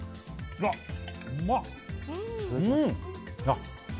うまっ！